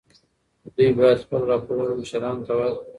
دوی باید خپل راپورونه مشرانو ته ورکړي.